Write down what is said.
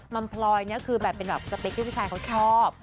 ัมพลอยนี่คือแบบเป็นแบบสเปคที่ผู้ชายเขาชอบ